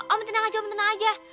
om tenang aja